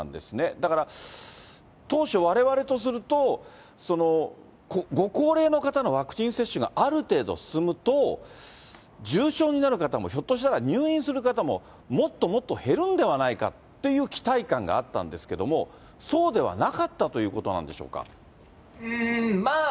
だから当初、われわれとすると、ご高齢の方のワクチン接種がある程度進むと、重症になる方も、ひょっとしたら、入院する方ももっともっと減るんではないかという期待感があったんですけれども、そうではなかったということなんでしょうか。